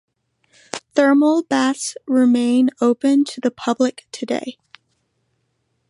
Thermal baths remain open to the public today.